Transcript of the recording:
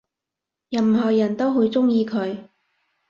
任何人都會鍾意佢